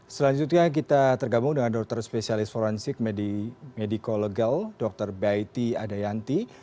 selanjutnya kita tergabung dengan dokter spesialis forensik medical legal dr betty adayanti